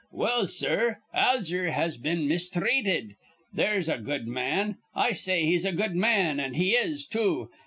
Well, sir, Alger has been misthreated. There's a good man. I say he's a good man. An' he is, too.